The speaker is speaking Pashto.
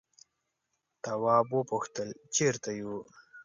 تواب وپوښتل چیرته یو.